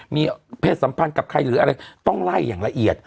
มีเพศสัมพันธ์กับใครหรืออะไรต้องไล่อย่างละเอียด